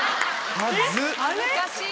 恥ずかしい。